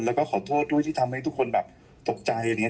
แล้วก็ขอโทษด้วยที่ทำให้ทุกคนตกใจ